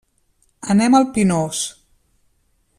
Anem al Pinós.